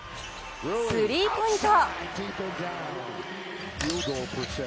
スリーポイント。